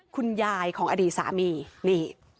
คุณยายของอดีตสามีนี่